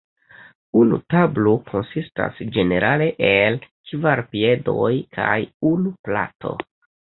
Unu tablo konsistas ĝenerale el kvar piedoj kaj unu plato.